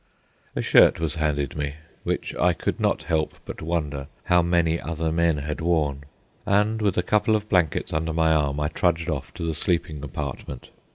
A shirt was handed me—which I could not help but wonder how many other men had worn; and with a couple of blankets under my arm I trudged off to the sleeping apartment.